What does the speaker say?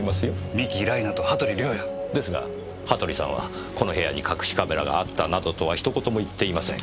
三樹ライナと羽鳥亮矢！ですが羽鳥さんはこの部屋に隠しカメラがあったなどとは一言も言っていません。